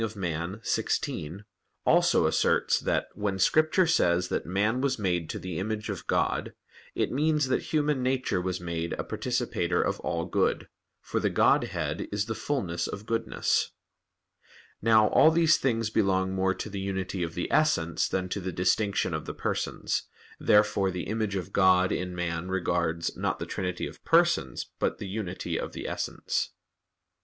Opificio xvi) also asserts that, when Scripture says that "man was made to the image of God, it means that human nature was made a participator of all good: for the Godhead is the fulness of goodness." Now all these things belong more to the unity of the Essence than to the distinction of the Persons. Therefore the image of God in man regards, not the Trinity of Persons, but the unity of the Essence.